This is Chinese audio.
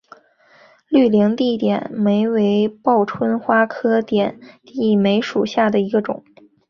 绿棱点地梅为报春花科点地梅属下的一个种。